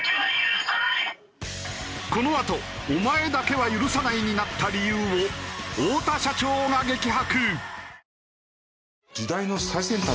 このあと「お前だけは許さない」になった理由を太田社長が激白！